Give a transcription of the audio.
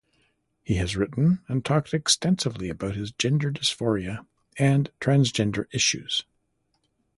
He has written and talked extensively about his gender dysphoria and transgender issues.